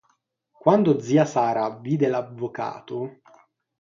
Quando zia Sara vide l'avvocato.